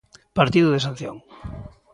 Partido de sanción.